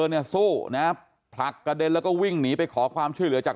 เนี่ยสู้นะผลักกระเด็นแล้วก็วิ่งหนีไปขอความช่วยเหลือจาก